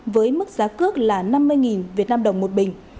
với mức giá cước là năm mươi vnđ một bình